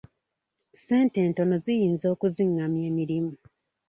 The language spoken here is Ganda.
Ssente entono ziyinza okizingamya emirimu.